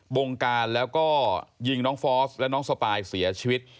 บงการแล้วก็ยิงน้องฟอสและน้องสปายเสียชีวิต